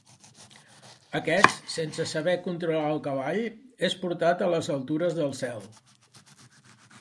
Aquest, sense saber controlar al cavall, és portat a les altures del cel.